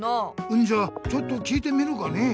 んじゃちょっと聞いてみるかね。